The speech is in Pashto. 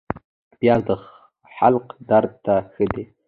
پیاز د حلق درد ته ښه دی